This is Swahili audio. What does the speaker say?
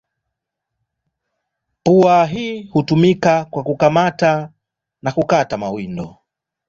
Pua hii hutumika kwa kukamata na kukata mawindo.